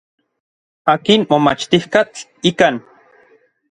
Akin momachtijkatl ikan.